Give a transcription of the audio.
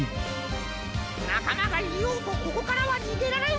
なかまがいようとここからはにげられん。